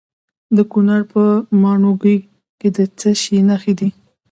د کونړ په ماڼوګي کې د څه شي نښې دي؟